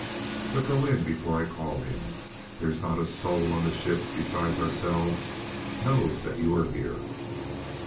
But go in before I call him; there's not a soul on the ship besides ourselves knows that you're here."